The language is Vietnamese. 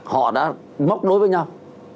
họ đã móc đối với nhau